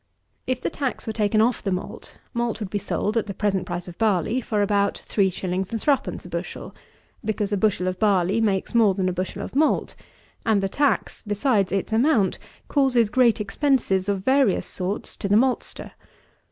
If the tax were taken off the malt, malt would be sold, at the present price of barley, for about 3_s._ 3_d._ a bushel; because a bushel of barley makes more than a bushel of malt, and the tax, besides its amount, causes great expenses of various sorts to the maltster.